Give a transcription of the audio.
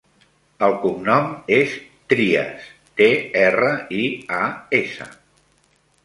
El cognom és Trias: te, erra, i, a, essa.